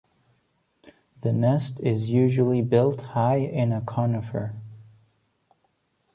The nest is usually built high in a conifer.